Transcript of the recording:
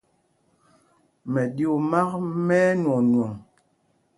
Mɛɗyuu māk mɛ́ ɛnwɔɔnwɔŋ.